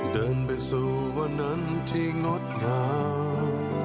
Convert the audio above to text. เดินไปสู่วันนั้นที่งดงาม